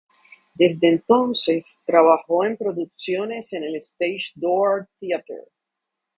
Desde entonces, trabajó en producciones en el Stage Door Theater.